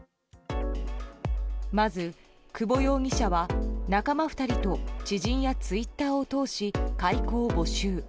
まず、久保容疑者は仲間２人と知人やツイッターを通し買い子を募集。